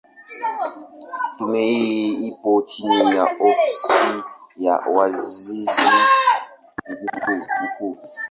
Tume hii ipo chini ya Ofisi ya Waziri Mkuu.